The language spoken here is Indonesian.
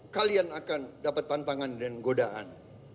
kalian akan dapat tantangan dan godaan